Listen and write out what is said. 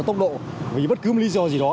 tốc độ vì bất cứ lý do gì đó